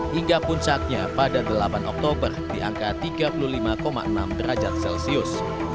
hingga puncaknya pada delapan oktober di angka tiga puluh lima enam derajat celcius